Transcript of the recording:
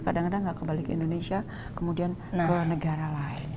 kadang kadang tidak kembali ke indonesia kemudian ke negara lain